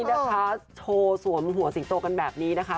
นะคะโชว์สวมหัวสิงโตกันแบบนี้นะคะ